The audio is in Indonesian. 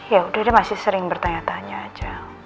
yaudah dia masih sering bertanya tanya aja